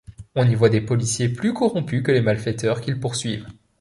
On y voit des policiers plus corrompus que les malfaiteurs qu'ils poursuivent.